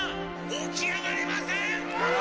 起き上がれません！！」